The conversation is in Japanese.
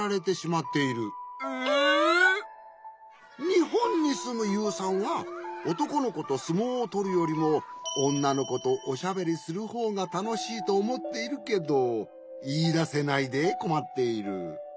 にほんにすむユウさんはおとこのことすもうをとるよりもおんなのことおしゃべりするほうがたのしいとおもっているけどいいだせないでこまっている。